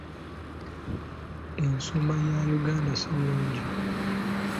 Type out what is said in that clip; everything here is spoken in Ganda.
Ensoma ya Uganda si nnungi.